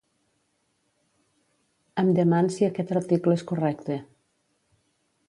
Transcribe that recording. Em deman si aquest article és correcte.